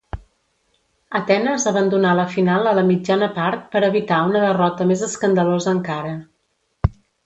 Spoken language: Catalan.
Atenes abandonà la final a la mitjana part per evitar una derrota més escandalosa encara.